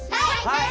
はい！